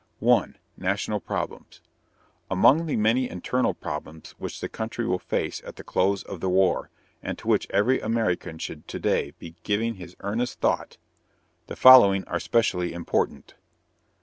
I. NATIONAL PROBLEMS Among the many internal problems which the country will face at the close of the war, and to which every American should to day be giving his earnest thought, the following are specially important.